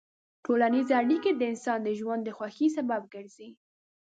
ټولنیز اړیکې د انسان د ژوند د خوښۍ سبب ګرځي.